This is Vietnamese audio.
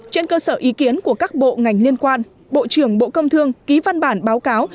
trên cơ sở ý kiến của các bộ ngành liên quan bộ trưởng bộ công thương ký văn bản báo cáo